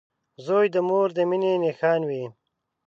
• زوی د مور د مینې نښان وي.